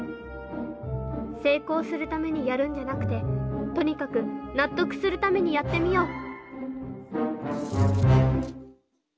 成功するためにやるんじゃなくてとにかく納得するためにやってみよう！